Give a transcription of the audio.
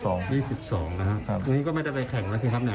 อันนี้ก็ไม่ได้ไปแข่งแล้วสิครับเนี่ย